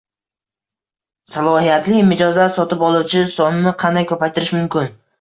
Salohiyatli mijozlar - sotib oluvchi sonini qanday ko’paytirish mumkin?